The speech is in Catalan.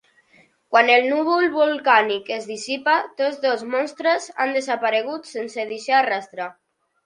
Quan el núvol volcànic es dissipa, tots dos monstres han desaparegut sense deixar rastre.